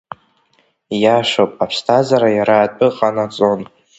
Ииашоуп, аԥсҭазаара иара атәы ҟанаҵон…